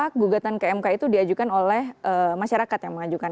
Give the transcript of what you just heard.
mereka mengajukan mek mek mek itu diajukan oleh masyarakat yang mengajukan